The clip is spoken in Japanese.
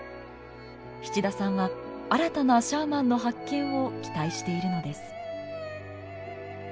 七田さんは新たなシャーマンの発見を期待しているのです。